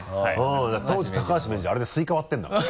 当時高橋名人あれでスイカ割ってるんだから。